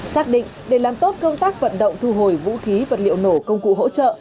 xác định để làm tốt công tác vận động thu hồi vũ khí vật liệu nổ công cụ hỗ trợ